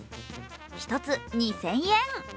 １つ２０００円。